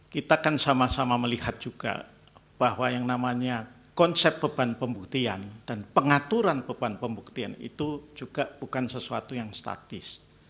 kita kan sama sama melihat juga bahwa yang namanya konsep beban pembuktian dan pengaturan beban pembuktian itu juga bukan sesuatu yang statis